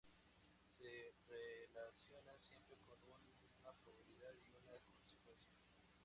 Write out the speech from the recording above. Se relacionan siempre con una probabilidad y unas consecuencias.